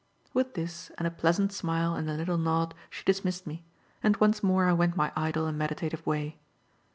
With this and a pleasant smile and a little nod, she dismissed me; and once more I went my idle and meditative way.